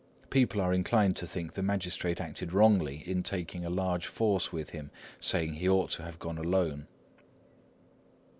People are inclined to think the magistrate acted wrongly in taking a large force with him, saying he ought to have gone alone."